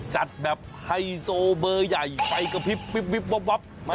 จัดแบบไฮโซเบอร์ใหญ่ไฟกระพริบวิบวับ